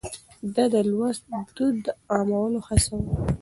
ده د لوست دود عامولو هڅه وکړه.